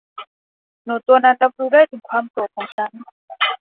หนูตัวนั้นรับรู้ได้ถึงความโกรธของฉัน